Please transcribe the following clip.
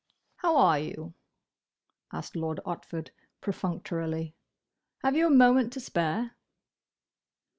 "How are you?" asked Lord Otford, perfunctorily. "Have you a moment to spare?"